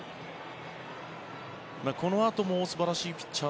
このあとも素晴らしいピッチャー